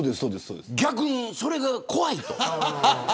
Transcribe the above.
逆にそれが怖いと。